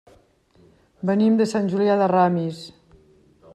Venim de Sant Julià de Ramis.